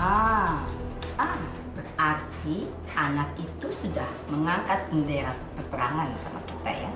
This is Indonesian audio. wah berarti anak itu sudah mengangkat bendera peperangan sama kita ya